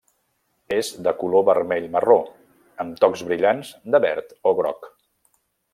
És de color vermell-marró amb tocs brillants de verd o groc.